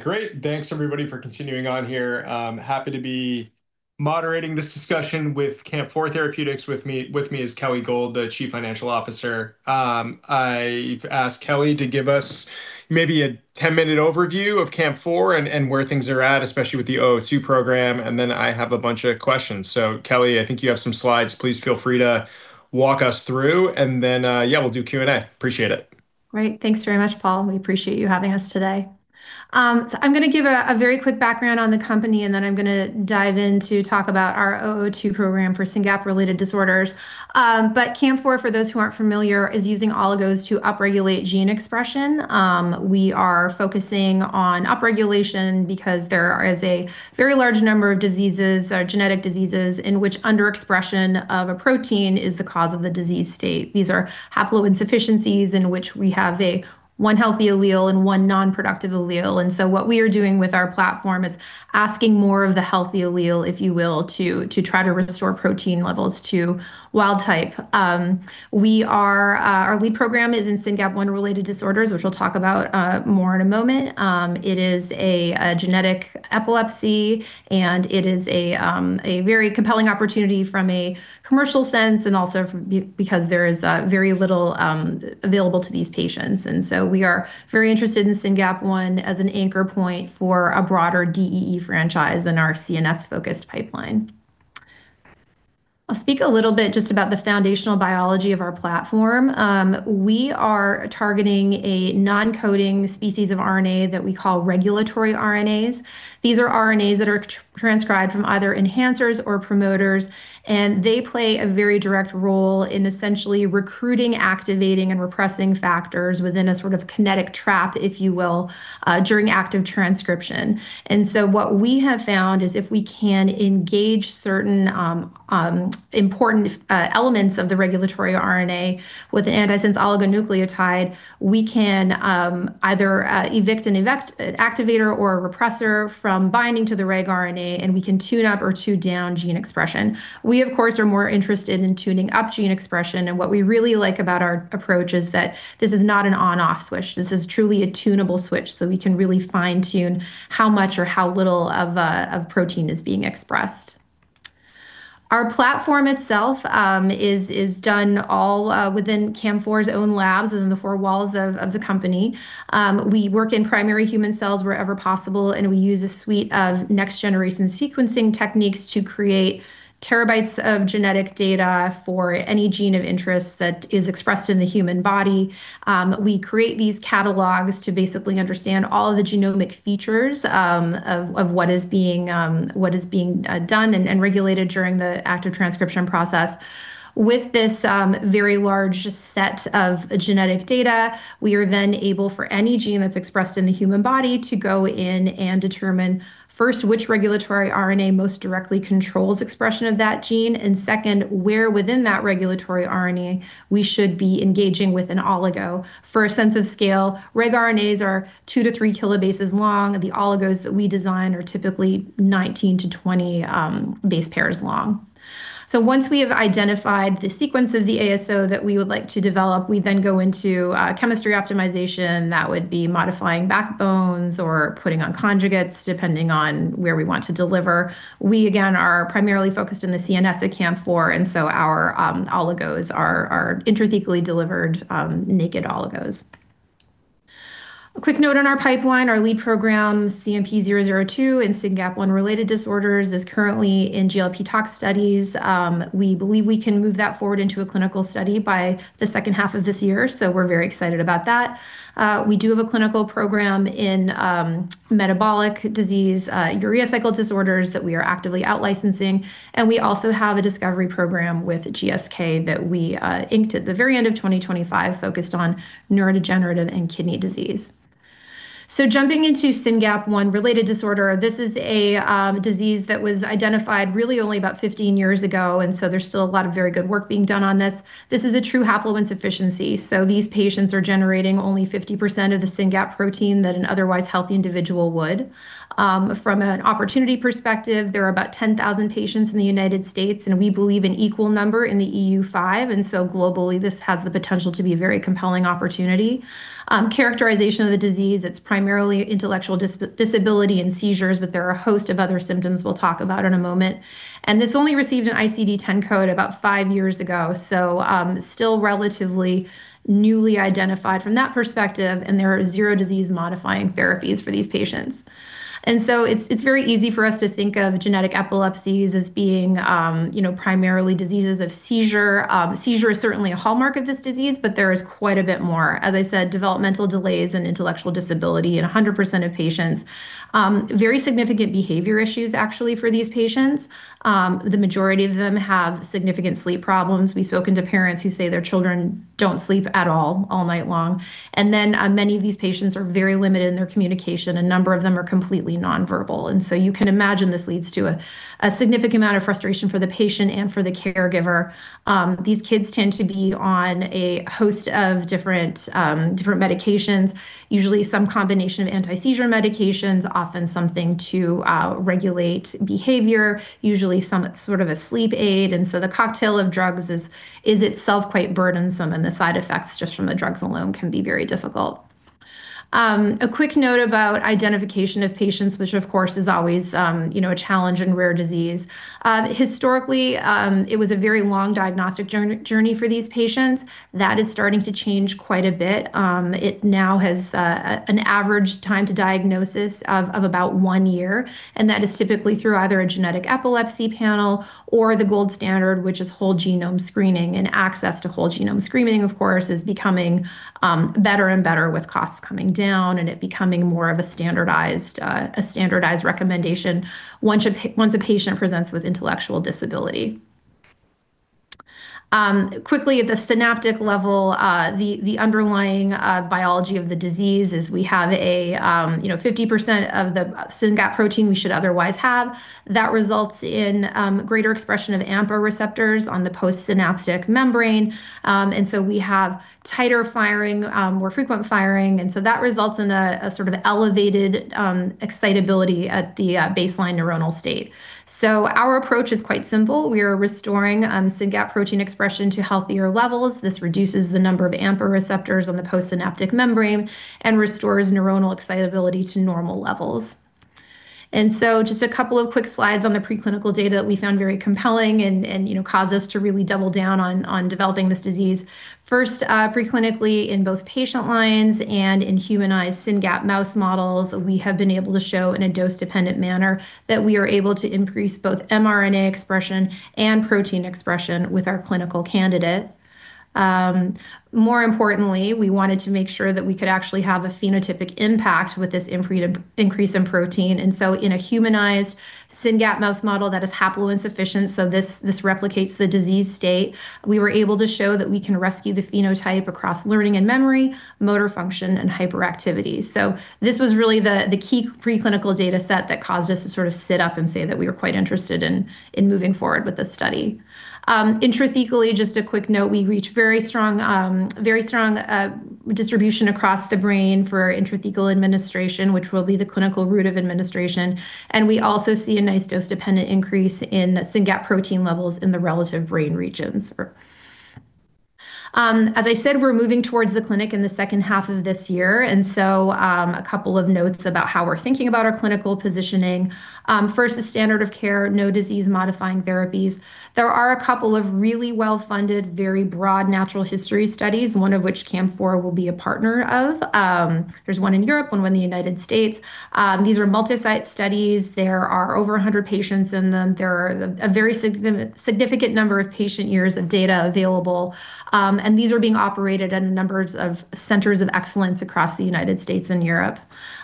Great. Thanks everybody for continuing on here. Happy to be moderating this discussion with CAMP4 Therapeutics. With me is Kelly Gold, the Chief Financial Officer. I've asked Kelly to give us maybe a 10-minute overview of CAMP4 and where things are at, especially with the CMP-002 program, and then I have a bunch of questions. Kelly, I think you have some slides. Please feel free to walk us through and then we'll do Q&A. Appreciate it. Great. Thanks very much, Paul. We appreciate you having us today. I'm gonna give a very quick background on the company, and then I'm gonna dive in to talk about our 002 program for SYNGAP1-related disorders. CAMP4, for those who aren't familiar, is using oligos to upregulate gene expression. We are focusing on upregulation because there is a very large number of diseases or genetic diseases in which underexpression of a protein is the cause of the disease state. These are haploinsufficiencies in which we have one healthy allele and one non-productive allele. What we are doing with our platform is asking more of the healthy allele, if you will, to try to restore protein levels to wild type. Our lead program is in SYNGAP1-related disorders, which we'll talk about more in a moment. It is a genetic epilepsy, and it is a very compelling opportunity from a commercial sense and also because there is very little available to these patients. We are very interested in SYNGAP1 as an anchor point for a broader DEE franchise in our CNS-focused pipeline. I'll speak a little bit just about the foundational biology of our platform. We are targeting a non-coding species of RNA that we call regulatory RNAs. These are RNAs that are transcribed from either enhancers or promoters, and they play a very direct role in essentially recruiting, activating, and repressing factors within a sort of kinetic trap, if you will, during active transcription. What we have found is if we can engage certain important elements of the regulatory RNA with an antisense oligonucleotide, we can either evict an activator or a repressor from binding to the regRNA, and we can tune up or tune down gene expression. We, of course, are more interested in tuning up gene expression, and what we really like about our approach is that this is not an on/off switch. This is truly a tunable switch, so we can really fine-tune how much or how little of protein is being expressed. Our platform itself is done all within CAMP4's own labs within the four walls of the company. We work in primary human cells wherever possible, and we use a suite of next-generation sequencing techniques to create terabytes of genetic data for any gene of interest that is expressed in the human body. We create these catalogs to basically understand all of the genomic features of what is being done and regulated during the active transcription process. With this very large set of genetic data, we are then able for any gene that's expressed in the human body to go in and determine, first, which regulatory RNA most directly controls expression of that gene, and second, where within that regulatory RNA we should be engaging with an oligo. For a sense of scale, regRNAs are 2-3 kilobases long. The oligos that we design are typically 19-20 base pairs long. Once we have identified the sequence of the ASO that we would like to develop, we then go into chemistry optimization. That would be modifying backbones or putting on conjugates, depending on where we want to deliver. We, again, are primarily focused in the CNS at CAMP4, and so our oligos are intrathecally delivered naked oligos. A quick note on our pipeline. Our lead program, CMP-002 in SYNGAP1-related disorders, is currently in GLP tox studies. We believe we can move that forward into a clinical study by the second half of this year, so we're very excited about that. We do have a clinical program in metabolic disease, urea cycle disorders that we are actively out-licensing. We also have a discovery program with GSK that we inked at the very end of 2025 focused on neurodegenerative and kidney disease. Jumping into SYNGAP1-related disorder, this is a disease that was identified really only about 15 years ago, and there's still a lot of very good work being done on this. This is a true haploinsufficiency, so these patients are generating only 50% of the SYNGAP protein that an otherwise healthy individual would. From an opportunity perspective, there are about 10,000 patients in the United States, and we believe an equal number in the EU5, and so globally, this has the potential to be a very compelling opportunity. Characterization of the disease, it's primarily intellectual disability and seizures, but there are a host of other symptoms we'll talk about in a moment. This only received an ICD-10 code about five years ago, so still relatively newly identified from that perspective, and there are zero disease-modifying therapies for these patients. It's very easy for us to think of genetic epilepsies as being, you know, primarily diseases of seizure. Seizure is certainly a hallmark of this disease, but there is quite a bit more. As I said, developmental delays and intellectual disability in 100% of patients. Very significant behavior issues actually for these patients. The majority of them have significant sleep problems. We've spoken to parents who say their children don't sleep at all night long. Many of these patients are very limited in their communication. A number of them are completely non-verbal. You can imagine this leads to a significant amount of frustration for the patient and for the caregiver. These kids tend to be on a host of different medications, usually some combination of anti-seizure medications, often something to regulate behavior, usually some sort of a sleep aid. The cocktail of drugs is itself quite burdensome, and the side effects just from the drugs alone can be very difficult. A quick note about identification of patients, which of course is always, you know, a challenge in rare disease. Historically, it was a very long diagnostic journey for these patients. That is starting to change quite a bit. It now has an average time to diagnosis of about one year, and that is typically through either a genetic epilepsy panel or the gold standard, which is whole genome screening. Access to whole genome screening, of course, is becoming better and better with costs coming down and it becoming more of a standardized recommendation once a patient presents with intellectual disability. Quickly at the synaptic level, the underlying biology of the disease is we have, you know, 50% of the SYNGAP protein we should otherwise have. That results in greater expression of AMPA receptors on the postsynaptic membrane. We have tighter firing, more frequent firing, and so that results in a sort of elevated excitability at the baseline neuronal state. Our approach is quite simple. We are restoring SYNGAP protein expression to healthier levels. This reduces the number of AMPA receptors on the postsynaptic membrane and restores neuronal excitability to normal levels. Just a couple of quick slides on the preclinical data that we found very compelling and you know caused us to really double down on developing this disease. First, preclinically in both patient lines and in humanized SYNGAP1 mouse models, we have been able to show in a dose-dependent manner that we are able to increase both mRNA expression and protein expression with our clinical candidate. More importantly, we wanted to make sure that we could actually have a phenotypic impact with this increase in protein. In a humanized SYNGAP1 mouse model that is haploinsufficient, so this replicates the disease state, we were able to show that we can rescue the phenotype across learning and memory, motor function, and hyperactivity. This was really the key preclinical data set that caused us to sort of sit up and say that we were quite interested in moving forward with this study. Intrathecally, just a quick note, we reach very strong distribution across the brain for intrathecal administration, which will be the clinical route of administration. We also see a nice dose-dependent increase in SYNGAP protein levels in the relevant brain regions. As I said, we're moving toward the clinic in the second half of this year. A couple of notes about how we're thinking about our clinical positioning. First, the standard of care, no disease-modifying therapies. There are a couple of really well-funded, very broad natural history studies, one of which CAMP4 will be a partner of. There's one in Europe, one in the United States. These are multi-site studies. There are over 100 patients in them. There are a very significant number of patient years of data available. These are being operated at a number of centers of excellence across the United States and Europe.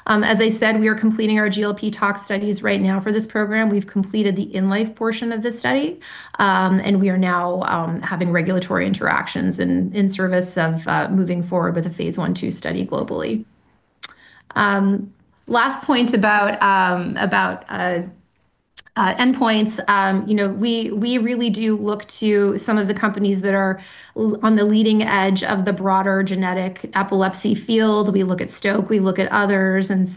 As I said, we are completing our GLP tox studies right now for this program. We've completed the in life portion of this study, and we are now having regulatory interactions in service of moving forward with a phase I/II study globally. Last point about endpoints. You know, we really do look to some of the companies that are on the leading edge of the broader genetic epilepsy field. We look at Stoke, we look at others, and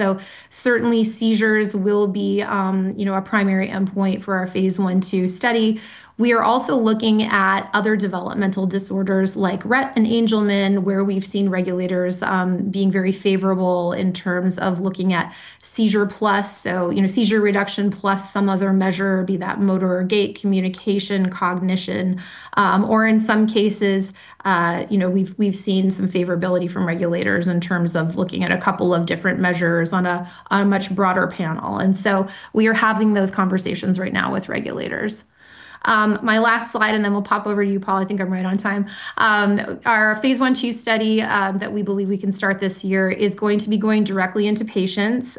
certainly seizures will be, you know, a primary endpoint for our phase I/II study. We are also looking at other developmental disorders like Rett and Angelman, where we've seen regulators being very favorable in terms of looking at seizure plus. You know, seizure reduction plus some other measure, be that motor or gait, communication, cognition. Or in some cases, you know, we've seen some favorability from regulators in terms of looking at a couple of different measures on a much broader panel. We are having those conversations right now with regulators. My last slide, and then we'll pop over to you, Paul. I think I'm right on time. Our phase I/II study that we believe we can start this year is going to be going directly into patients.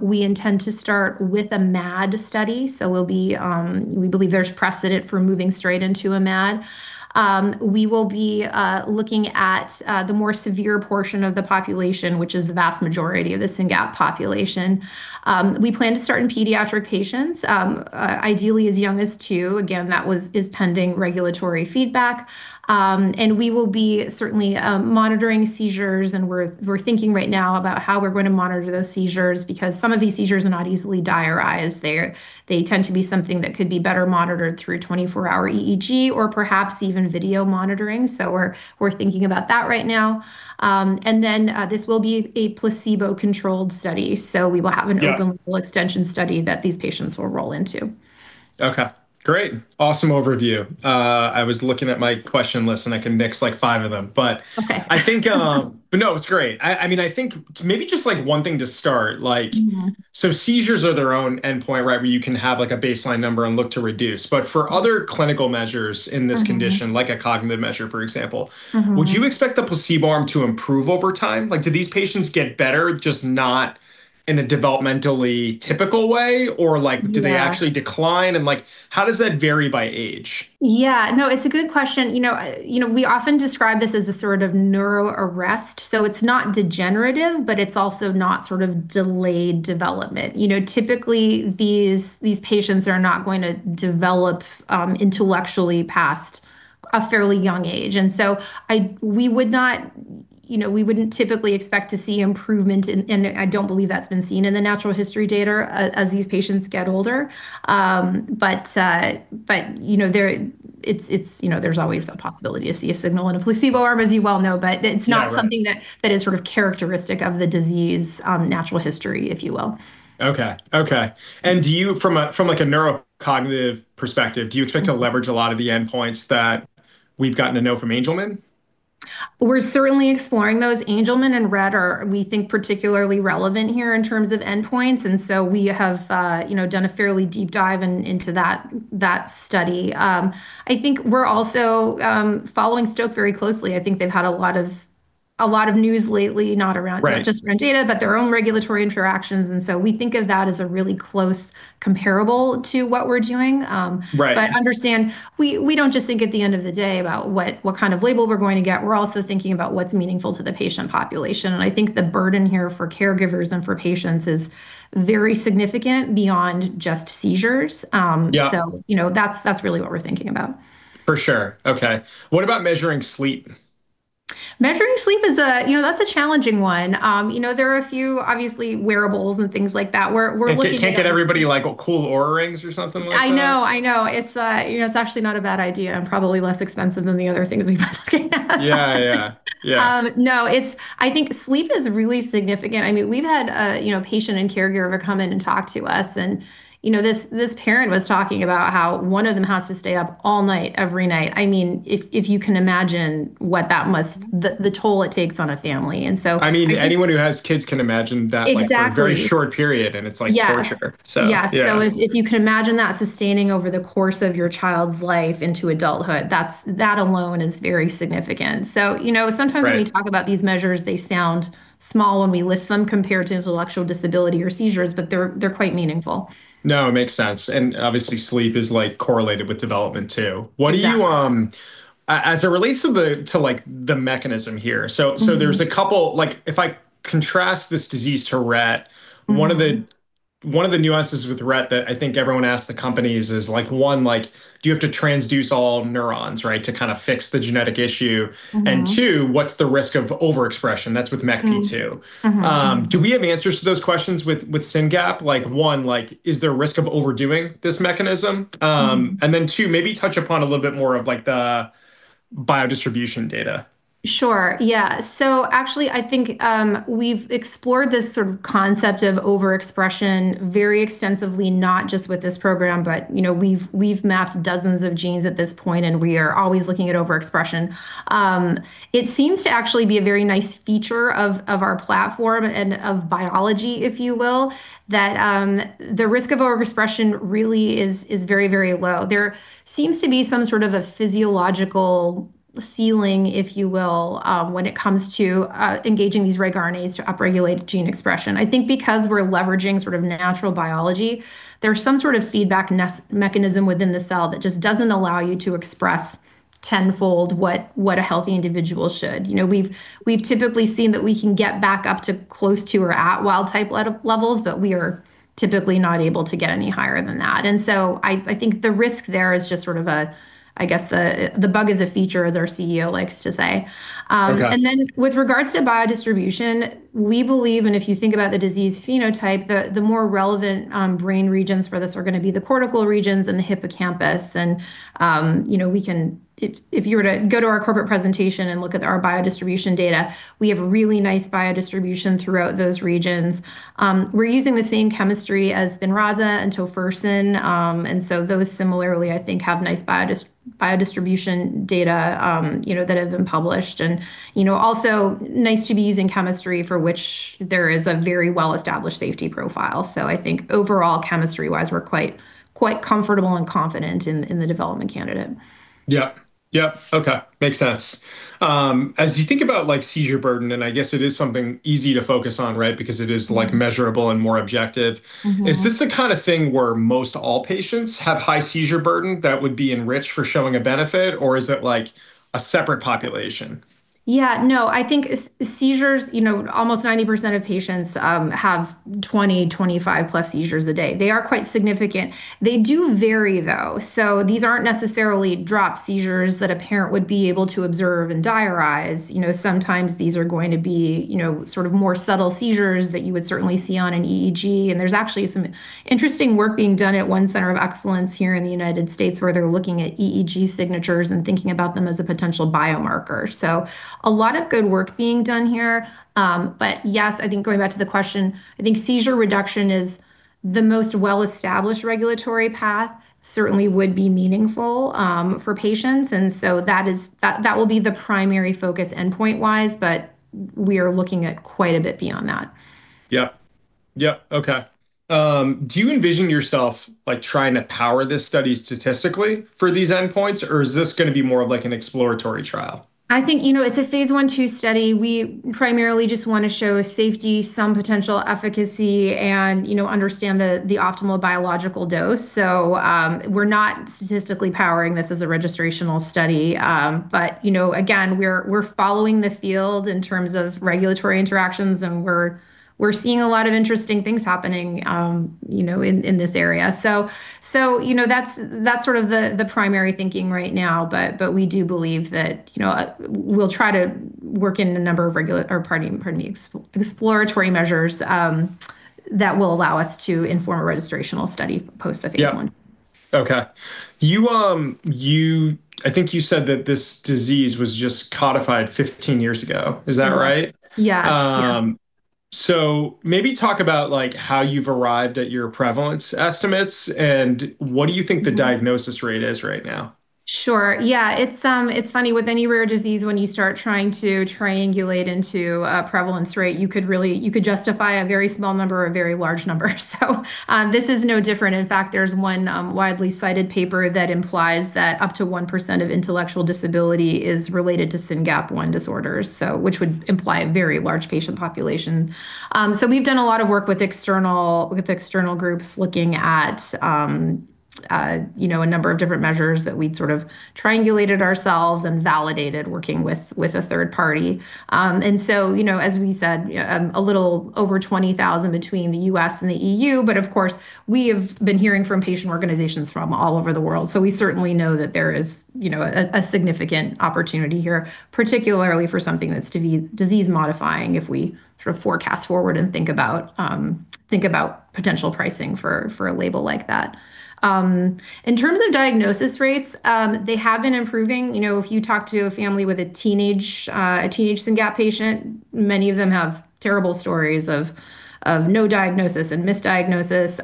We intend to start with a MAD study, so we believe there's precedent for moving straight into a MAD. We will be looking at the more severe portion of the population, which is the vast majority of the SYNGAP1 population. We plan to start in pediatric patients, ideally as young as two. Again, that is pending regulatory feedback. We will certainly be monitoring seizures, and we're thinking right now about how we're gonna monitor those seizures because some of these seizures are not easily diarized. They tend to be something that could be better monitored through 24-hour EEG or perhaps even video monitoring. We're thinking about that right now. This will be a placebo-controlled study. We will have an- Yeah Open label extension study that these patients will roll into. Okay. Great. Awesome overview. I was looking at my question list and I can nix like five of them, but. Okay. No, it's great. I mean, I think maybe just like one thing to start. Mm-hmm Seizures are their own endpoint, right, where you can have like a baseline number and look to reduce. For other clinical measures in this condition. Mm-hmm like a cognitive measure, for example. Mm-hmm Would you expect the placebo arm to improve over time? Like do these patients get better, just not in a developmentally typical way? Or like, do they Yeah Actually decline? Like how does that vary by age? Yeah. No, it's a good question. You know, you know, we often describe this as a sort of neuro arrest, so it's not degenerative, but it's also not sort of delayed development. You know, typically, these patients are not going to develop intellectually past a fairly young age. You know, we wouldn't typically expect to see improvement, and I don't believe that's been seen in the natural history data as these patients get older. But, you know, there, it's, you know, there's always a possibility to see a signal in a placebo arm, as you well know. Yeah, right. It's not something that is sort of characteristic of the disease, natural history if you will. Okay. Do you, from like a neurocognitive perspective, do you? Mm-hmm Expect to leverage a lot of the endpoints that we've gotten to know from Angelman? We're certainly exploring those. Angelman and Rett are, we think, particularly relevant here in terms of endpoints, and so we have you know done a fairly deep dive into that study. I think we're also following Stoke very closely. I think they've had a lot of news lately, not around- Right just around data, but their own regulatory interactions. We think of that as a really close comparable to what we're doing. Right... understand, we don't just think at the end of the day about what kind of label we're going to get, we're also thinking about what's meaningful to the patient population. I think the burden here for caregivers and for patients is very significant beyond just seizures. Yeah You know, that's really what we're thinking about. For sure. Okay. What about measuring sleep? Measuring sleep is a, you know, that's a challenging one. You know, there are a few obviously wearables and things like that. We're looking at- Can't get everybody like, oh, cool Oura Ring or something like that? I know. I know. It's, you know, it's actually not a bad idea and probably less expensive than the other things we've been looking at. Yeah. Yeah. Yeah. No. It's, I think sleep is really significant. I mean, we've had a, you know, patient and caregiver come in and talk to us and, you know, this parent was talking about how one of them has to stay up all night every night. I mean, if you can imagine the toll it takes on a family. I think- I mean, anyone who has kids can imagine that like. Exactly for a very short period and it's like torture. Yes. So. Yeah. Yeah. If you can imagine that sustaining over the course of your child's life into adulthood, that alone is very significant. You know, sometimes Right When we talk about these measures, they sound small when we list them compared to intellectual disability or seizures, but they're quite meaningful. No, it makes sense. Obviously sleep is like correlated with development too. Exactly. What do you as it relates to the like the mechanism here? Mm-hmm Like, if I contrast this disease to Rett. Mm-hmm One of the nuances with Rett that I think everyone asks the companies is, like, one, like, do you have to transduce all neurons, right? To kinda fix the genetic issue. Mm-hmm. and two, what's the risk of overexpression? That's with MECP2. Mm-hmm. Mm-hmm. Do we have answers to those questions with SYNGAP1? Like, is there risk of overdoing this mechanism? Mm-hmm. too, maybe touch upon a little bit more of like the biodistribution data. Sure. Yeah. Actually I think we've explored this sort of concept of overexpression very extensively, not just with this program, but you know, we've mapped dozens of genes at this point, and we are always looking at overexpression. It seems to actually be a very nice feature of our platform and of biology, if you will, that the risk of overexpression really is very, very low. There seems to be some sort of a physiological ceiling, if you will, when it comes to engaging these regRNAs to upregulate gene expression. I think because we're leveraging sort of natural biology, there's some sort of feedback mechanism within the cell that just doesn't allow you to express tenfold what a healthy individual should. You know, we've typically seen that we can get back up to close to or at wild type levels, but we are typically not able to get any higher than that. I think the risk there is just sort of a, I guess a, the bug is a feature, as our CEO likes to say. Okay... and then with regards to biodistribution, we believe, and if you think about the disease phenotype, the more relevant brain regions for this are gonna be the cortical regions and the hippocampus. You know, we can, if you were to go to our corporate presentation and look at our biodistribution data, we have really nice biodistribution throughout those regions. We're using the same chemistry as Spinraza and Tofersen. Those similarly I think have nice biodistribution data, you know, that have been published and, you know, also nice to be using chemistry for which there is a very well-established safety profile. I think overall chemistry-wise, we're quite comfortable and confident in the development candidate. Yep. Okay. Makes sense. As you think about, like, seizure burden, and I guess it is something easy to focus on, right? Because it is, like. Mm-hmm measurable and more objective. Mm-hmm. Is this the kinda thing where most all patients have high seizure burden that would be enriched for showing a benefit, or is it, like, a separate population? Yeah, no, I think seizures, you know, almost 90% of patients have 20-25+ seizures a day. They are quite significant. They do vary though. These aren't necessarily drop seizures that a parent would be able to observe and diarize. You know, sometimes these are going to be, you know, sort of more subtle seizures that you would certainly see on an EEG, and there's actually some interesting work being done at one center of excellence here in the United States where they're looking at EEG signatures and thinking about them as a potential biomarker. A lot of good work being done here. Yes, I think going back to the question, I think seizure reduction is the most well-established regulatory path, certainly would be meaningful for patients. That will be the primary focus endpoint-wise, but we are looking at quite a bit beyond that. Yep. Okay. Do you envision yourself, like, trying to power this study statistically for these endpoints, or is this gonna be more of like an exploratory trial? I think, you know, it's a phase I/II study. We primarily just wanna show safety, some potential efficacy and, you know, understand the optimal biological dose. We're not statistically powering this as a registrational study. You know, again, we're following the field in terms of regulatory interactions and we're seeing a lot of interesting things happening, you know, in this area. You know, that's sort of the primary thinking right now, but we do believe that, you know, we'll try to work in a number of exploratory measures that will allow us to inform a registrational study post the phase I. Okay. You, I think you said that this disease was just codified 15 years ago. Is that right? Yeah. Maybe talk about, like, how you've arrived at your prevalence estimates, and what do you think the diagnosis rate is right now? Sure. Yeah. It's funny. With any rare disease, when you start trying to triangulate into a prevalence rate, you could really justify a very small number or a very large number. This is no different. In fact, there's one widely cited paper that implies that up to 1% of intellectual disability is related to SYNGAP1 disorders, which would imply a very large patient population. We've done a lot of work with external groups, looking at you know, a number of different measures that we'd sort of triangulated ourselves and validated working with a third party. You know, as we said, a little over 20,000 between the U.S. and the E.U., but of course we have been hearing from patient organizations from all over the world. We certainly know that there is, you know, a significant opportunity here, particularly for something that's disease modifying if we sort of forecast forward and think about potential pricing for a label like that. In terms of diagnosis rates, they have been improving. You know, if you talk to a family with a teenage SYNGAP1 patient, many of them have terrible stories of no diagnosis and misdiagnosis.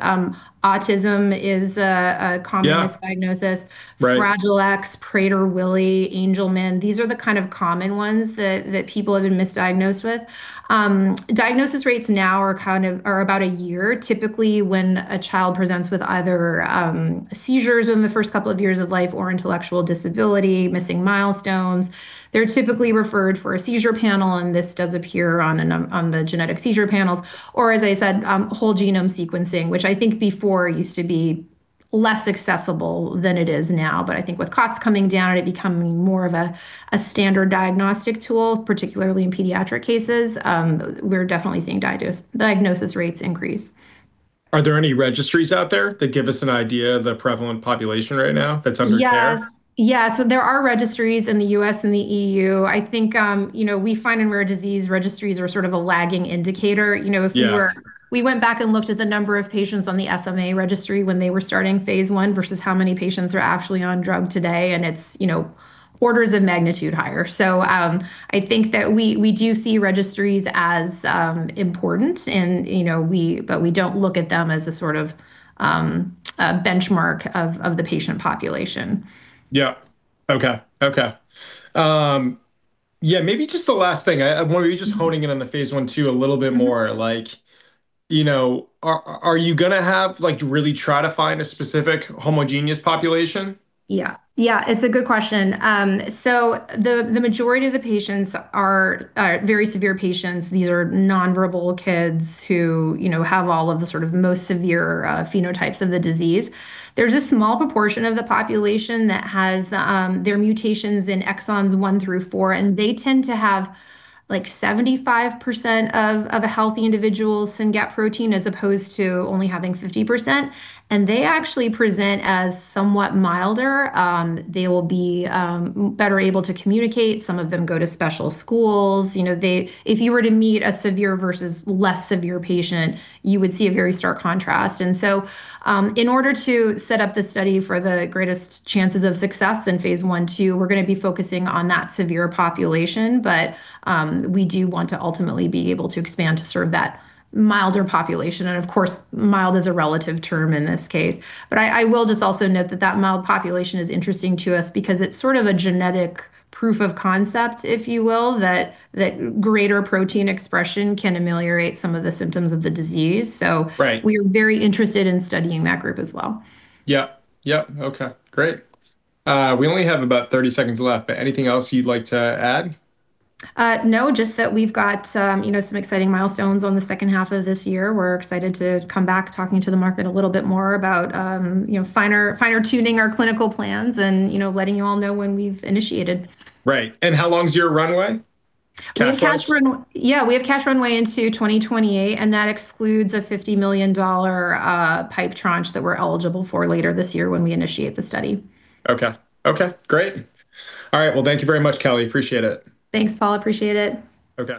Autism is a common- Yeah misdiagnosis. Right. Fragile X, Prader-Willi, Angelman, these are the kind of common ones that people have been misdiagnosed with. Diagnosis rates now are kind of about a year. Typically, when a child presents with either seizures in the first couple of years of life or intellectual disability, missing milestones, they're typically referred for a seizure panel, and this does appear on an on the genetic seizure panels, or, as I said, whole genome sequencing, which I think before used to be less accessible than it is now. I think with costs coming down and it becoming more of a standard diagnostic tool, particularly in pediatric cases, we're definitely seeing diagnosis rates increase. Are there any registries out there that give us an idea of the prevalent population right now that's under care? Yes. Yeah. There are registries in the U.S. and the E.U. I think, you know, we find in rare disease registries are sort of a lagging indicator. You know, if you were. Yeah We went back and looked at the number of patients on the SMA registry when they were starting phase 1 versus how many patients are actually on drug today, and it's, you know, orders of magnitude higher. I think that we do see registries as important and, you know, but we don't look at them as a sort of a benchmark of the patient population. Yeah. Okay. Yeah, maybe just the last thing. I wonder, are you just honing in on the phase I/II a little bit more? Like, you know, are you gonna have to really try to find a specific homogeneous population? Yeah. Yeah. It's a good question. The majority of the patients are very severe patients. These are non-verbal kids who, you know, have all of the sort of most severe phenotypes of the disease. There's a small proportion of the population that has their mutations in exons 1 through 4, and they tend to have, like, 75% of a healthy individual's SYNGAP protein as opposed to only having 50%. They actually present as somewhat milder. They will be better able to communicate. Some of them go to special schools. You know, they. If you were to meet a severe versus less severe patient, you would see a very stark contrast. In order to set up the study for the greatest chances of success in phase I/II, we're gonna be focusing on that severe population. We do want to ultimately be able to expand to sort of that milder population. Of course, mild is a relative term in this case. I will just also note that mild population is interesting to us because it's sort of a genetic proof of concept, if you will, that greater protein expression can ameliorate some of the symptoms of the disease. Right We're very interested in studying that group as well. Yeah. Yeah. Okay. Great. We only have about 30 seconds left, but anything else you'd like to add? No. Just that we've got, you know, some exciting milestones on the second half of this year. We're excited to come back talking to the market a little bit more about, you know, finer tuning our clinical plans and, you know, letting you all know when we've initiated. Right. How long's your runway? Cash wise. We have cash runway into 2028, and that excludes a $50 million PIPE tranche that we're eligible for later this year when we initiate the study. Okay, great. All right. Well, thank you very much, Kelly. Appreciate it. Thanks, Paul. Appreciate it. Okay